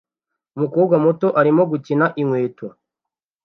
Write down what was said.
Umukobwa muto arimo gukina inkweto